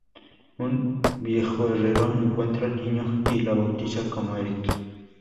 Un viejo herrero encuentra al niño y lo bautiza como Eric.